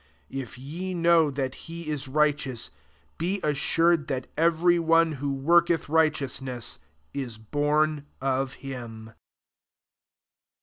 29 I p ye know that he is righteous, be assured that every one who worketh righteousness is bom of him.